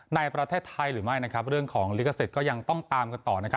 ในประเทศไทยหรือไม่เรื่องของลิกศิษฐ์ก็ยังต้องตามต่อ